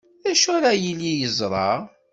D acu ara yili yeẓra?